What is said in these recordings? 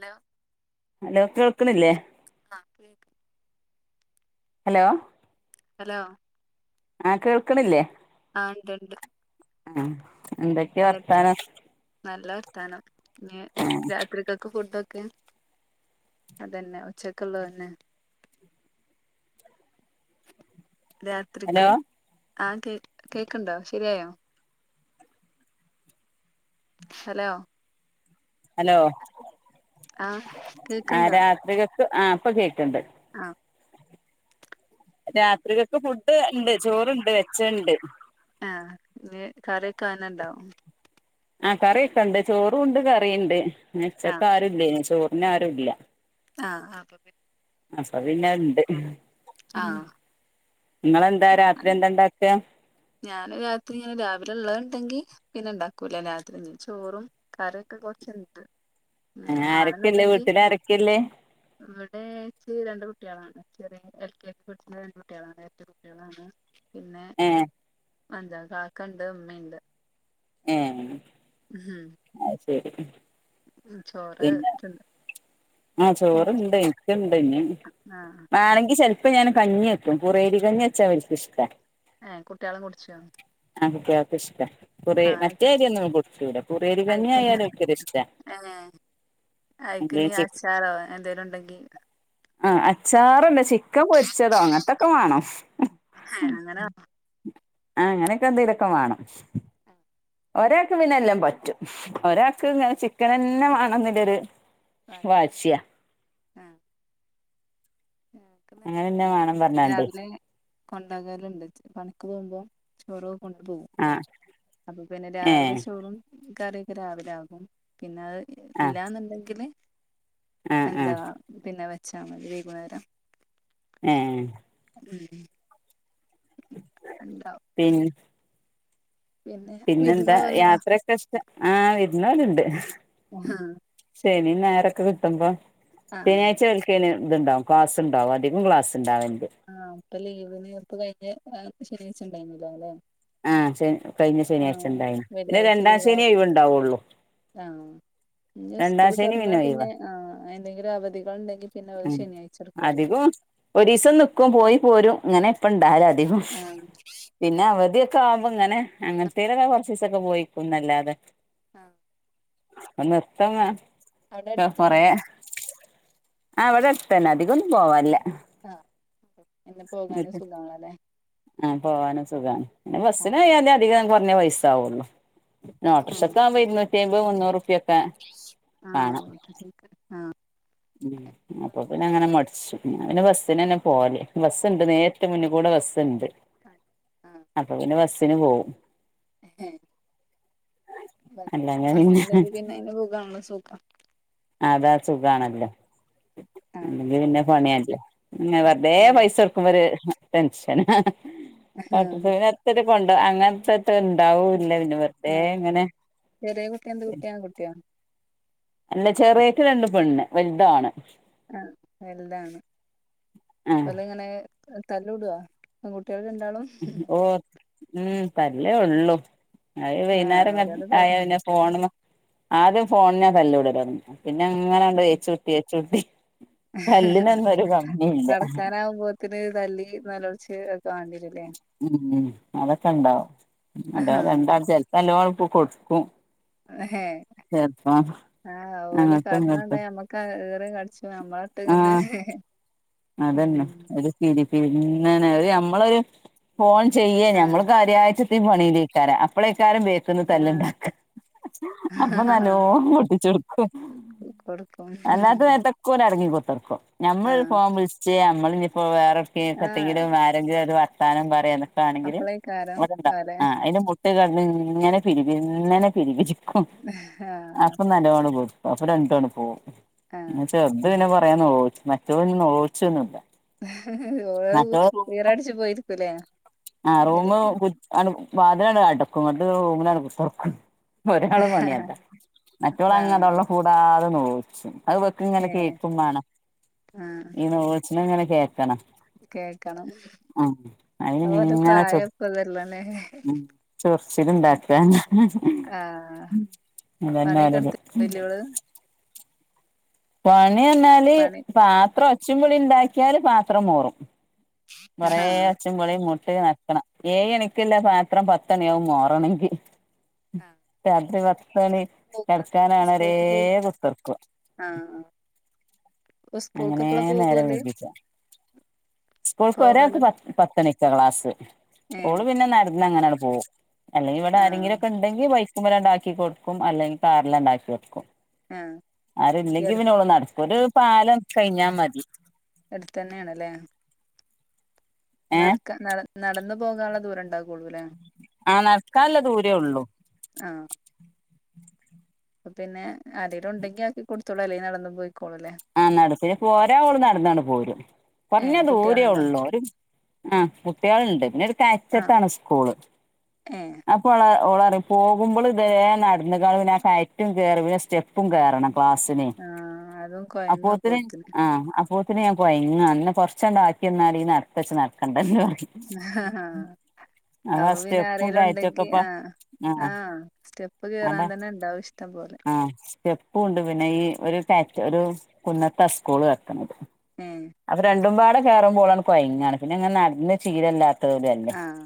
ല്ല ഹലോ കേൾക്ക്ണില്ലേ ആഹ് കേക്ക് ഹലോ ഹലോ ആഹ് കേൾക്ക്ണില്ലേ ആഹ് ഉണ്ട് ഉണ്ട് ആഹ് എന്തൊക്കെയാ വർത്താനം ത്താനം ഇനി രാത്രിക്കൊക്ക ഫുഡോ ക്ക് അതന്നെ ഉച്ചയ്ക്കൊള്ള തന്നെ ഹലോ രാത്രിക്ക് ആഹ് കേ കേക്കുണ്ടോ ശരിയായോ ഹലോ ഹലോ ആഹ് ആ കേക്ക്ണ്ടോ രാത്രികക്ക് ആ അപ്പൊ കേക്ക്ണ്ട് ആ രാത്രികക്ക് ഫുഡ് ഇണ്ട് ചോറ്ണ്ട് വെച്ച ഇണ്ട് ആ ഇ കറിക്കാനണ്ടാവും [unintelligible] ആ കറിയൊക്കെണ്ട് ചോറുംണ്ട് കറിണ്ട് ആഹ് ഉച്ചക്ക് ആരുല്ലെനി ചോറിന് ആരുംല്ല ആ അപ്പോപിന്നെ അപ്പ പിന്നണ്ട് ആഹ് ങ്ങളെന്താ രാത്രി എന്താ ഇണ്ടാക്ക ഞാന് രാത്രി ഇങ്ങനെ രാവിലെ ഉള്ളത് ഇണ്ടെങ്കി പിന്നെ ഇണ്ടാക്കൂല രാത്രിഞ്ഞ് ചോറും കരിയൊക്കെ കൊറച്ചുണ്ട് ഉം ആരൊക്കെല്ലേ ആണെന്നുണ്ടെങ്കിൽ വീട്ടില് ആരൊക്കെല്ലേ ഇവിടെക്ക് രണ്ട് [inaudible] കുട്ടികളാണ് ചെറിയ എൽ കെ ജി പഠിക്കുന്ന കുട്ടികളാണ് എന്റെ കുട്ടികളാണ് പിന്നെ ഏ എന്താ കാക്കണ്ട് ഇമ്മീംണ്ട് ഏ ഉം അത് ശരി ഉം ചോറ് തിന്ന് ആ ഉം ചോറ്ണ്ട് ഇക്കണ്ട് ഇനി ആഹ് വാണെങ്കി ചെലപ്പോ ഞാൻ കഞ്ഞി വക്കും കുറേരി കഞ്ഞി വച്ചാ ഇവര്ക്കിഷ്ടാ ഏ കുട്ടിയെള് കുടിചോ ഇക്കാക്ക് ഇഷ്ടാ [inaudible] കുറെ മറ്റേ അരിയൊന്നും കൊടുത്തൂട കുറേരി കഞ്ഞി അയ്ക്ക്ഞ്ഞ് ആയാല് ഓൽക്കൊരു ഇഷ്ട്ട അയിക്ക്ഞ്ഞീ അച്ചാറോ എന്തേലും ഉണ്ടെങ്കി ആ അച്ചാറല്ല ചിക്കൻ പൊരിച്ചതോ അങ്ങനത്തോക്കെ മാണം ഏഹ് അങ്ങനെ ആ അങ്ങനെയൊക്കെ എന്തേലൂഒക്കെ മാണം ഒരാൾക്ക് പിന്നെ എല്ലം പറ്റും ഒരാൾക്ക് ങ്ങനെ ചിക്കനെന്നെ വാണംനില്ലൊരു ബാക്കി വാശിയ ഞങ്ങക്കങ്ങനെ അങ്ങനെന്നെ വേണം പറഞ്ഞാണ്ടേ രാവിലെ കൊണ്ടകലുണ്ട് പണിക്ക് പോകുമ്പോ [inaudible] ചോറവ് കൊണ്ട്പോകും ആഹ് അപ്പൊ പിന്നെ രാവിലെ ഏഹ് ചോറും കറിയൊക്കെ രാവിലെയാകും പിന്നത് ആഹ് ഇല്ലാന്നുണ്ടെങ്കില് ആഹ് ആഹ് എന്താ പിന്നെ വച് [unintelligible] ഏ ഉം [unintelligible] [inaudible] [inaudible] ഉണ്ടാവും പിന്ന [unintelligible] പിന്നെ വിരുന്ന് പിന്നെന്താ പോവലുണ്ടോ യാത്രക്കിഷ്ട്ട ആ വിരുന്ന് പോകലുണ്ട് ആ ശനി ഞായറൊക്കെ കിട്ടുമ്പോ ആഹ് ശനിയാഴ്ച്ച ഇവൽക്കയിന് ഇതുണ്ടാവും ക്ലാസ് ഉണ്ടാവും അധികം ക്ലാസ് ഇണ്ടാവണ്ട് അതർപ്പ് കഴിഞ്ഞ ശനിയാഴ്ച ഉണ്ടായിരുന്നല്ലോ അല്ലേ [unintelligible] ആ ചെ കഴിഞ്ഞ ശനിയാഴ്ച ഇണ്ടായിന് പിന്നെ വെള്ളിയാഴ്ച രണ്ടാം ശനി ലീവായപ്പോ ഒഴിവു ഉണ്ടാവുള്ളു ഇഞ്ഞ് സ്കൂൾ തുറന്നാൽ പിന്നെ ആ എന്തെങ്കിലും അവധികളുണ്ടെങ്കിൽ പിന്നെ ഓര് ശനിയാഴ്ച എടുക്കല്ലോ ഒരു ക്കും പോയി പോരും ഇങ്ങനെ ഇപ്പണ്ടാല് അധികും ആഹ് പിന്നെ അവധി കാബ് ഇങ്ങനെ അങ്ങനത്തെലൊക്കെ കുറച്ച്ചീസം ഒക്കെ പോയിക്കുംന്നല്ലാതെ ആ ആ കൊറെ ആ ഇവടട്ത്തന്നെ അധികം ഒന്നും പോവാനില്ല ആ ആ പോവാനും സുഖാണ് പിന്നെ ആഹ് ബസിലായാലും അധികം പിന്നെ പൈസകോള്ളൂ പിന്നെ ഏഹ് ഓട്ടോറിക്ഷക്ക് ആകുമ്പോ ഇുന്നൂറ്റി അമ്പത് മുന്നൂറ്റി റുപിയയൊക്കെ ആഹ് ഓക്കെ ശ ക ആഹ് ഉം അപ്പൊ പിന്നെ അങ്ങനെ മടിച്ചു ഞാപിന്നെ ബസ്സിനന്നെ പോവല് ബസ്സ്ണ്ട് നേരിട്ട് മുന്നിക്കൂടെ ബസ്സ്ണ്ട് അപ്പൊ പിന്നെ ബസ്സിന് പോവും ഏ ബസ് അല്ലെങ്കി പിന്നെ ബസ്സ്ണ്ടെങ്കിൽ പിന്നെ അയിന് പോകാണലോ സു അതാ സുഖാണല്ലോ ആഹ് അല്ലെങ്കി പിന്നെ പണിയല്ലേ പിന്നെ വെറുതേ ഉം പൈസൊടുക്കുമ്പൊര് ടെഷനാ ഹ് ഹ് ആഹ് ഓട്ടോർഷേലെത്രെ ണ്ട് അങ്ങനത്തെത്തണ്ടാവൂല്ല പിന്നെ ആഹ് വെറുതേങ്ങനെ ചെറിയ കുട്ടി എന്ത് കുട്ടിയാ ആൺകുട്ടിയോ അല്ല ചെറിയേക്ക് രണ്ട് പെണ്ണ് വല്താണ് ആ വല്താണ് ആഹ് ഓല്ങ്ങനേ തല്ലൂടോ അങ്ങോട്ട് ല് രണ്ടാളും ഹും ഓ ഉം തല്ലേ ഉള്ളൂ അയ് ആഹ് വൈന്നേരംങ്ങട് ഓരോന്ന് ആയ പറഞ്ഞ് പിന്നെ ഫോണ് മെ ആദ്യം ഫോണിനാ തല്ലൂടൊലൊടങ്ങ പിന്നെ അങ്ങനണ്ട് ഏച്ചൂട്ടി ഏച്ചൂട്ടി ഹ് ഹ് തല്ലിനൊന്നും ഒരു ഹാ കമ്മിയില്ല കടക്കാനാവുമ്പോത്തിന് തല്ലി നെലോളിച്ച് ഒ ഉം അതൊക്കെണ്ടാവും ആഹ് അല്ലാതെ എന്താ ചെലപ്പല്ലോ പുകൊടുക്കും ഹേ ആഹ് ഓല് അങ്ങട്ടും കാട്ട്ണണ്ട ഇങ്ങട്ടും ഞമ്മക്ക് ഈറിം കരചിക്കണ് നമ്മളെട്ട്ങ്ങനെ ആഹ് ഹേ അതന്നെ ഒരു തിരി [unintelligible] നമ്മൾ ഒരു ഫോൺ ചെയ്യേ ഞമ്മൾ ആഹ് കാര്യായിറ്റിപ്പോ ഈ പണീലേക്കാരം അപ്പളേക്കാരം വര് ര്ന്ന് ആഹ് തല്ല്ണ്ടാക്ക ഹ് ഹ് അപ്പൊ നല്ലോണം പൊട്ടിച്ചൊട്ക്കും കൊടുക്കും അല്ലാത നേര്ത്തൊക്കെ ഓല് അടങ്ങി കു ർക്കും ഞമ്മളൊരു ആഹ് ഫോൺ വിളിച്ചേ ഞമ്മളിഞ്ഞിപ്പോ വേറെവിടക്കേല് ആഹ് എതെങ്കിലും ആരെങ്കിലും ഒര് വർ ത്താനം പറയേ നിക്കാണെങ്കില് അപ്പളേക്കാരം ഓരെന്താ ഓലെ ആഹ് അയ്ന് മു ന്നിൽകെട്ന്ന്ങ്ങനെ പിരിപിരിന്നനെ പിരി പിരിക്കും ഹ് ആഹ് അപ്പൊ നല്ലോണ്കൊടു അപ്പൊ രണ്ടും അങ്ങട് പോവും പിന്നെ ആഹ് ചെർത് പിന്നെ കൊറേ നൊലോളിച്ചും മറ്റോല് പിന്നെ നൊലോളിച്ചൊന്നുല്ല ഹ് ഹ് ഹെ ഓ ഈറടിച്ച് പോയിരിക്കൂലേ ആഹ് വൽ റൂമ് കു അങ്ങട് വാതിലങ്ങട്ട് അടക്കും ഇന്നിട്ട് റൂമിലങ്ങട്കുത്തിർക്കും ഒരാളെ പണിയതാ മറ്റോളങ്ങതൊഉള്ള ആഹ് പൂടാതെ നൊലോളിച്ചും അത് വ്ക്ക്ങ്ങനെ ഏഹ് കേക്കും വാണം ആഹ് ഈ നൊലോളിച്ച്ണത്ങ്ങനെ കേക്കണം കേക്കണം ഉം അയിന് ഓന്റെ പ്രായം ഇപ്പ ഇതല്ലണേ ചൊറിച്ചില്ണ്ടാക്കാ ഹ് ഹാ ആഹ് പണിയൊക്കെ അതന്നാണ്ത് എടുത്ത് വല്യോള് പണി പറഞ്ഞാല് പണി പാത്രം ഒച്ചിംവിളിണ്ടാക്കിയാല് പാത്രം മോറും കൊറേ ആഹ് ഒച്ചിംവിളീം കു നക്കണം ഏഴ്ണിക്കല്ല പാത്രം പത്തണിയാവും മോറണെങ്കി രാത്രി പത് ത്ത്ണി പോക കടക്കാനാണ ഒരേ സ്കൂൾക്ക് പോയി കുത്തിർക്കും ആഹ് ആഹ് സ്കൂൾക്ക് അങ്ങനേ എപ്പളാ നേരം പോകോല് വെഗ്ഗിച്ച സ്കൂൾക്ക് ഒരാക്ക് പോകല് പത് പത്തണിക്കാ ക്ലാസ് ഏഹ് ഓള് പിന്നെ നടന്നങ്ങനന് പോവും അല്ലെങ്കി ഇവിടെ ആഹ് ആരെങ്കിലൊക്കെണ്ടങ്കിൽ ബൈക്കുമ്മലണ്ടാക്കി കൊടുക്കും അല്ലെങ്കി കാറിലണ്ടാക്കി കൊടുക്കും ആഹ് ഈ ആരുല്ലെങ്കി അടു പിന്നെ ഓള് നടക്കും ഒരു പാലം കഴിഞ്ഞാ മതി എടുത്തന്നേ ആണല്ലേ ഏഹ് നടക്ക നട നടന്നു പോകാള്ള ദൂരം ഉണ്ടാകൊള്ളുലേ ആഹ് നടക്കാള്ള ദൂരേ ഉള്ളൂ ആഹ് പിന്നെ ആരേലും ഉണ്ടെങ്കി ആക്കികൊടുത്തോളും അല്ലങ്കി നടന്നു പോയി ആഹ നടത്തി പോരാ ഏ കുട്ടികളുണ്ടോ ആഹ് കുട്ടികളുണ്ട് പിന്നെ ഒരു ആഹ് കയറ്റത്താണ് സ്കൂള് ഏ അപ്പൊ ഓളെ പോകുമ്പോൾ ബേ നടന്ന് പാസിനെ ആ അതും കൊയങ്ങും അപ്പോത്തിന് പോത്തിന് ആ [unintelligible] [inaudible] [inaudible] അതാ സ്റ്റെപ്പും കയറ്റൊക്കെപ്പ ആഹ് ആഹ സ്റ്റെപ്പ് കേറാൻ തന്നെ ഇണ്ടാവും ഇഷ്ടംപലെ സ്റ്റെപ്പും ഉണ്ട് പിന്നെ ഈ ഒരു കയറ്റും ഒരു കുന്നത്ത സ്കൂൾ പറഞ്ഞു ഏ അപ്പൊ രണ്ടുംപാട കേയറുമ്പോ ഓളണ്ട് കൊയങ്ങാണ് പിന്നെ ഇങ്ങെനെ നടന്ന് ചീരല്ലാ [inaudible] ലല്ലേ ആഹ്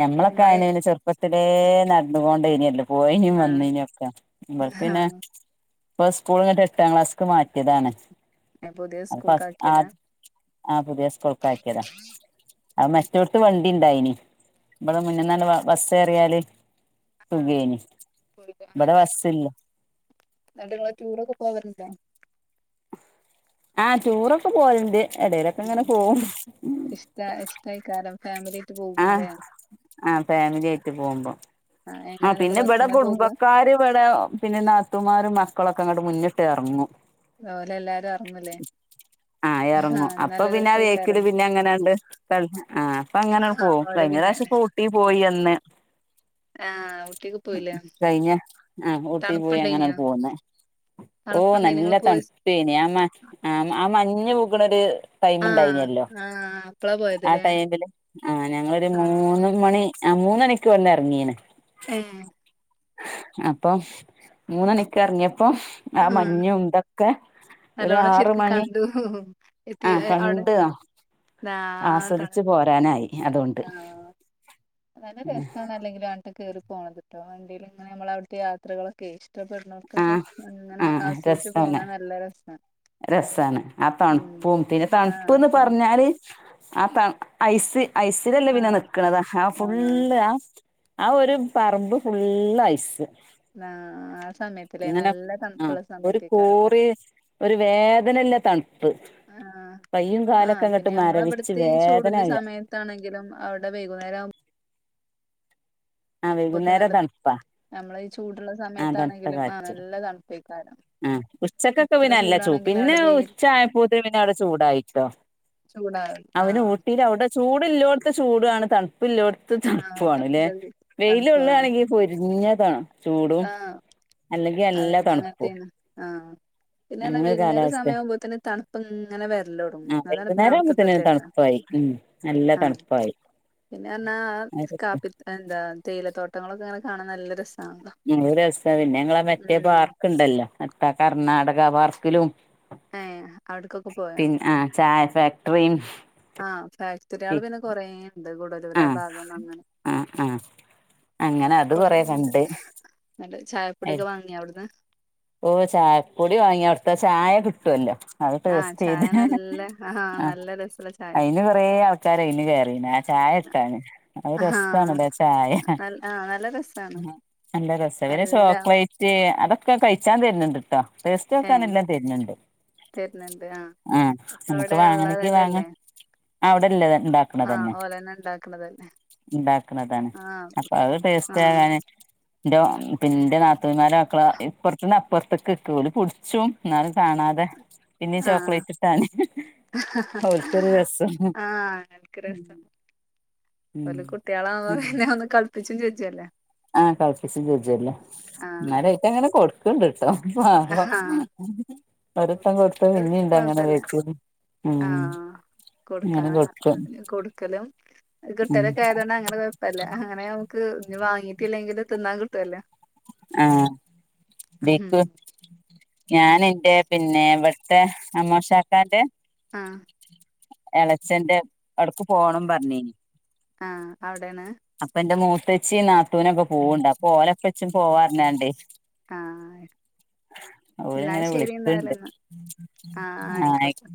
ഞമ്മളൊക്ക നിങ്ങള് ആയന്ന് ചെറുപ്പത്തിലേ നടന്നുകൊണ്ട് ഏനല്ലോ പോയിനും ആഹ് വനിന്നും ഒക്കെ ഇവര്ക്പിന്നെ ആഹ് [unintelligible] പുതിയ സ്കൂൾക്ക് ആക്കിയതാ [inaudible] ആ മറ്റോടത്ത് വണ്ടി ഉണ്ടായിനി ഇവിടെ മുനിന്നാണ്ട് ബസ്സ്കേറിയാൽ ആ, സുഖേന് പോയിട്ട് അങ്ങനെ ഇവിടെ ബസ്. ബസ്സില്ല എന്നിട്ട് നിങ്ങൾ ടൂറൊക്കെ പോവലുണ്ടോ [inaudible] ആഹ ടൂറൊക്കെ പോവലുണ്ട് എവടെയിലൊക്കെ ഇഷ്ട ഇഷ്ടായിക്കാരം ഫാമിലി ആയിട്ട് ആഹ് പോകുംല്ലേ ആ ഫാമിലി ആയിട്ട് പോവുമ്പോ ആ എങ്ങനെ എന്നിട്ട് പിന്നെ ഇവിടെ ബസ്സിനാ പോക കുടുംബക്കാര് ഇവിടെ പിന്നെ നാ മക്കളൊക്കെ അങ്ങട്ട് മുന്നിട്ട് ഇറങ്ങും ഓൽ എല്ലാരും എറങ്ങുല്ലേ ആഹ ഇറങ്ങും അപ്പൊ പിന്നെ ആ ബേക്കില് പിന്നെ അങ്ങനെയണ്ട് ആ അപ്പൊ അങ്ങനെ ആഹ് പോവും [inaudible] ഓലെ കഴിഞ്ഞ പിന്നെ പ്രാവശ്യം പ്പൊ ഊട്ടി ആഹ് ഊട്ടിക്ക് പോയില്ലേ കഴിഞ്ഞ ആ ഊട്ടി പോയി തണുപ്പുണ്ടായിനോ അങ്ങനണ്ട് പോന് ഓ തണുപ്പുണ്ടായിനോ നല്ല നിങ്ങള് പോയ സ് ടൈമ് ആഹ് ഉണ്ടായിനല്ലോ ആഹ് അപ്പളാ ആ പോയതല്ലേ ടൈമില് [inaudible] ആ ഞങ്ങളൊരു ആഹ് മൂന്ന് മണി ആ മൂന്നരാക്ക് വുട്ന്ന് ഇറങ്ങീന് ആഹ അപ്പൊ മൂന്നണിക്ക് ഇറിങ്ങിയപ്പോ ആ ആഹ് മഞ്ഞും ഇതൊക്കെ [inaudible] ഒ നല്ലോണം ആറ് ശരിക്ക് മണി കണ്ടു എത്തി അവിടെ ആസ്വദിച്ചു പോരാനായി [inaudible] ആഹ നല്ല രസാണല്ലെങ്കിലും കാട്ടിക് കേറി പോണത്ട്ടോ വണ്ടീൽ ഇങ്ങനെ നമ്മൾ ആ ഇഷ്ടപ്പെടുന്നവർക്കൊക്കെ അങ്ങനെ ആ ആസ്വദിച്ച് രസാണ് പോകാൻ നല്ല രസമാണ് [inaudible] ആഹ് പിന്നെ ആ ത ഐസ് ഐസിലല്ലേ പിന്നെ ആഹ് നിക്കണത് ഹ ആഹ് ഫുള്ള് ആ ആ ഒരു പറമ്പ് ഫുള്ള് ഐസ് [inaudible] ആ ആസമയത്തില്ലേ ഇങ്ങനെ നല്ല ആ തണുപ്പുള്ള ഒരു സമയത്തേക്കാരപ്പോ കോറി ഒരു വേദനല്ല തണുപ്പ് ആ കയ്യും ആഹ കാലൊക്കെ അങ്ങട്ട് പിന്നെ നമ്മളെ മരവിച്ച് ഇവിടുത്തെ ഈ ചൂടിന്റെ വേദനയാ സമയ ത്താണെങ്കിലും [inaudible] ആ വൈകുന്നേരം നല്ല തണുപ്പാ നമ്മളെ ഈ ചൂടുള്ള ആ തണുത്ത സമയത്താണെങ്കിലും ആ കാറ്റ് നല്ല തണുപ്പേര്ക്കു ആ ഉച്ചക് ചൂടാണെങ്കിലും അവിടെ വെയിൽ [inaudible] അവന് ആഹ് ഊട്ടിൽ അവിടെ ചൂടല്ലോ [unintelligible] ത്ത് ചൂടാണ് തണുപ്പ ഇല്ലോടത്ത് ആഹ് തണുപ്പില്ലത് തണുപ്പാണ് ചൂടും ആഹ് അല്ലെങ്കിൽ നല്ല തണുപ്പും ആഹ പിന്നെ എന്ന് പറഞ്ഞ അങ്ങനെ വൈകുന്നേരസമയം ഒരു വൈകുന്നേരം കാലാവസ്ഥ സമയം ആകുമ്പോത്തന്നെ തണുപ്പും ഇങ്ങനെ ആ വരല്ലൊടങ്ങും അതാണ് പിന്നെ വൈകുന്നേരം അവിടുത്തെ ആവുമ്പോത്തിന് പ്രത്യേകത തണുപ്പായി ഉം നല്ല ആഹ് തണുപ്പായി പിന്നെ എന്നാ കാപ്പി എന്താ തേയിലത്തോട്ടങ്ങളക്ക ഇങ്ങനെ കാണാൻ നല്ല രസാണ് ഇനിയൊരു രസ പിന്നെ ഞങ്ങള് മറ്റേ പാർക്ക് ഉണ്ടല്ലോ അപ്പ കർണാടക പാർക്കിലും ഏഹ് അവിടക്കൊക്കെ പോയോ പിൻ ആഹ് ചായ ഫാക്ടറിയും ആഹ് ഫാക്ടറിയള് പിന്നെ കൊറെയുണ്ട് ഗുഡാലൂർ ആ ഭാഗം അങ്ങനെ ആ ആ അങ്ങനെ അത് കൊറെ കൊറേയിണ്ട് കണ്ട് നല്ല ചായപ്പൊടിയൊക്കെ വാങ്ങിയ അവിടുന്ന് ഓഹ് ചായപ്പൊടി വാങ്ങിയ അവിടുത്ത ചായ കിട്ടുവല്ലോ അത് ആഹ് ചായ ടെസ്റ്റേയ്തിന് നല്ല ആഹ് നല്ല രസള്ള ചായ അയിന് കൊറെേ ആൾക്കാര് അയിന് കേറീന് ആ ചാ ആയിട്ടാണ് അത് ആഹ് രസാണ് നല്ല ചായേം ആഹ് നൽ നല്ല രസാണ് പിന്നാ എന്തെ രസ പിന്നെ നല്ല ചോക്ലേറ്റ് അതൊക്കെ കഴിച്ചാൻ തരുന്നുണ്ട്ട്ടോ ടേസ്റ്റ് നോക്കാൻ ഏഹ് എല്ലാം തരുണുണ്ട് ആഹ് ഒക്കെ നിനക്ക് അവിടെ വാങ്ങാണെങ്കിൽ വാങ്ങ ഇള്ളതന്നെല്ലേ അവിടല്ലേ ഉണ്ടാക്കണ ആഹ് തന്നെ ഓലെന്നെ ഇണ്ടാക്ക്ണതല്ലേ ഇണ്ടാക്കണതാണ് ആഹ് അപ്പൊ അത് ടേസ്റ്റ് ആഹ് ആകാന് ന്റാ പിന്റാ നാത്തൂന്മാര മക്കളാ ഇപ്പർ ന്നാ അപ്പർത്തുക്ക് ഇട്ട് ഓല് പിടിച്ചും എന്നാലും കാണാതെ പിന്നെ ആഹ് ചോക്ലേറ്റ് കിട്ടാന് ആഹ് അങ്ങനെക്കെ രസ ഉം ഓല് കുട്ടികളാവുംമ്പ പിന്നെ ഒന്ന് കളിപ്പിച്ചും ചിരി ആഹ് കളിപ്പിച്ചും ചിരിച്ചുവെല്ല ആഹ് എന്നാലായിട്ട് അങ്ങനെ കൊടുക്ക്ണ്ട് [unintelligible] പാവം ആഹ് ഒരുത്തൻ കൊടുത്ത പിന്ന ഇണ്ട് അങ്ങനെ കൊഴപ്പല്ല ബാക്കിന്ന് ആഹ് കൊടുക്കാന കൊടുക്കും അതിനും കൊടുക്കലും ഉം കിട്ടലൊക്കെ ആയതുകൊണ്ട് അങ്ങനെ കൊഴപ്പല്ല അങ്ങനെ നമു ക്ക് പിന്നാ വാങ്ങീട്ടില്ലെങ്കിൽ തിന്നാൻ കിട്ടുവല്ല ആഹ് ഉം വീക്ക് ഞാനെന്റെ പിന്നെ ഇവിടുത്തെ അമ്മോഷാക്കാന്റെ ആഹ് അലക്സന്റെ ഇടക്ക് പോണം പറഞ്ഞിനി ആഹ് അവിടെണ് തെച്ചി നാത്തൂനക്ക പോവുണ്ട് അപ്പോ ഓലക്കച്ചും പോവാ അല്ലാണ്ട് ആഹ് എന്നാ ഓലിങ്ങനെ ശെരിയെന്നാൽ വിളിക്കണ്ട് എന്നാ ആഹ് ആയിക്കോട്ട്